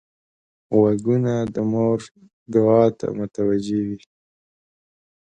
غوږونه د مور دعا ته متوجه وي